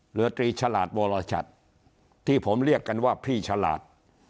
เหลือตรีฉลาดวรชัดที่ผมเรียกกันว่าพี่ฉลาด